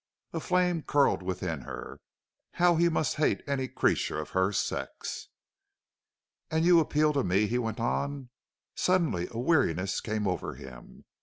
A flame curled within her. How he must hate any creature of her sex! "And you appeal to me!" he went on. Suddenly a weariness came over him.